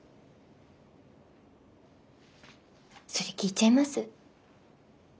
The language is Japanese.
それ聞いちゃいます？